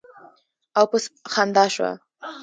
او پۀ خندا شۀ ـ